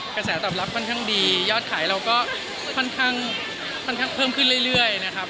กระแสตอบรับค่อนข้างดียอดขายเราก็ค่อนข้างเพิ่มขึ้นเรื่อยนะครับ